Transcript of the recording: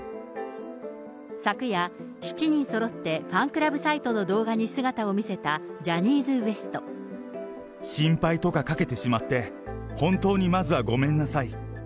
昨夜、７人そろってファンクラブサイトの動画に姿を見せたジャニーズＷ心配とかかけてしまって、本当にまずはごめんなさい。